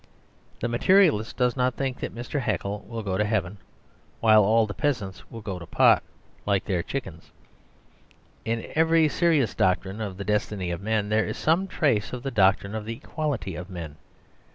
The Materialist does not think that Mr. Haeckel will go to heaven, while all the peasants will go to pot, like their chickens. In every serious doctrine of the destiny of men, there is some trace of the doctrine of the equality of men.